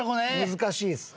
難しいです。